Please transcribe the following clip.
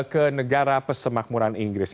ke negara pesemakmuran inggris